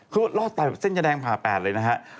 คือว่ารอดตายแบบเส้นแย่แดงผ่าแปดเลยนะครับ